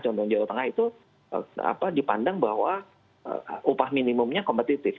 contoh jawa tengah itu dipandang bahwa upah minimumnya kompetitif